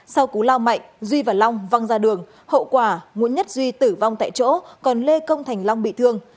sau cú lao mạnh duy và long văng ra đường hậu quả nguyễn nhất duy tử vong tại chỗ còn lê công thành long bị thương